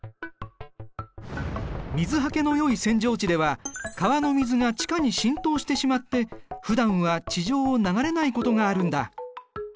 水はけのよい扇状地では川の水が地下に浸透してしまって普段は地上を流れないことがあるんだ。